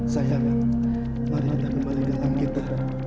sayangkan mari kita kembali dalam kita